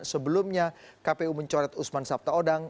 sebelumnya kpu mencoret usman sabtaodang